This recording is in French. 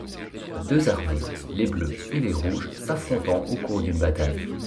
Soient deux armées, les Bleus et les Rouges, s'affrontant au cours d'une bataille.